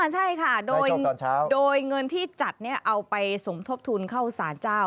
ใช่ค่ะโดยเงินที่จัดเอาไปสมทบทุนเข้าสารเจ้า